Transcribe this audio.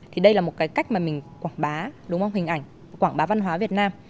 thì đây là một cách mà mình quảng bá hình ảnh quảng bá văn hóa việt nam